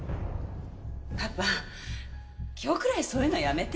パパ今日くらいそういうのはやめて。